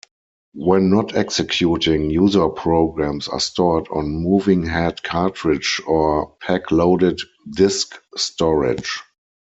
When not executing, user programs are stored on moving-head cartridge- or pack-loaded disk storage.